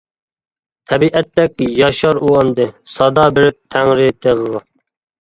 تەبىئەتتەك ياشار ئۇ ئەمدى، سادا بېرىپ تەڭرى تېغىغا.